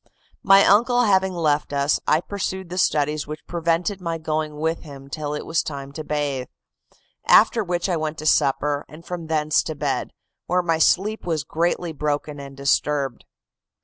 "My uncle having left us, I pursued the studies which prevented my going with him till it was time to bathe. After which I went to supper, and from thence to bed, where my sleep was greatly broken and disturbed.